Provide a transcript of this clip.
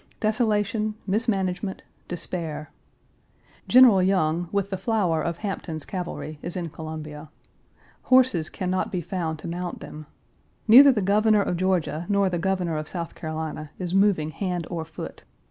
Desolation, mismanagement, despair. General Young, with the flower of Hampton's cavalry, is in Columbia. Horses can not be found to mount them. Neither the Governor of Georgia nor the Governor of South Carolina is moving hand or foot.